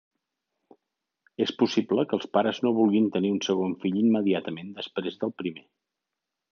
És possible que els pares no vulguin tenir un segon fill immediatament després del primer.